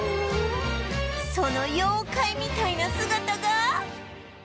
その妖怪みたいな姿が